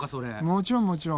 もちろんもちろん。